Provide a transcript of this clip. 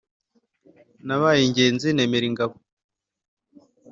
Nabaye ingenzi menera ingabo!